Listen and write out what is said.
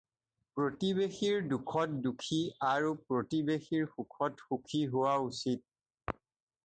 প্ৰতিৱেশীৰ দুখত-দুখী আৰু প্ৰতিৱেশীৰ সুখত-সুখী হোৱা উচিত।